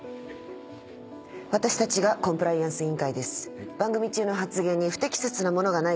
私たちがコンプライアンス委員会です。